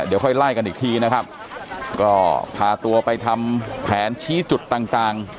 เดี๋ยวค่อยไล่กันอีกทีนะครับก็พาตัวไปทำแผนชี้จุดต่างต่าง